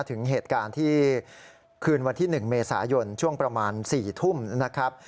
ถึงเหตุการณ์ที่คืนวันที่๑เมษายนช่วงประมาณ๔ทุ่มนะครับ